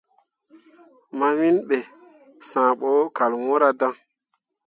Mawiŋ be, sããh bo kal wɲǝǝra dan.